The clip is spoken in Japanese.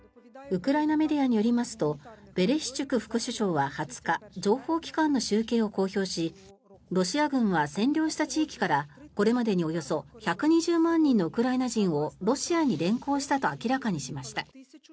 ウクライナメディアによりますとベレシュチュク副首相は２０日情報機関の集計を公表しロシア軍は占領した地域からこれまでにおよそ１２０万人のウクライナ人をロシアに連行したと明らかにしました。